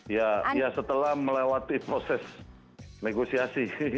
ya setelah melewati proses negosiasi